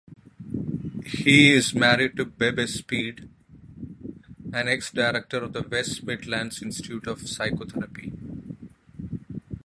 He is married to Bebe Speed, an ex-director of West Midlands Institute of Psychotherapy.